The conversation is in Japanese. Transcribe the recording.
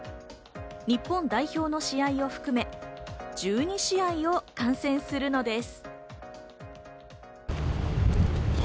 日本代表の試合を含め、１２試合を観戦するのです。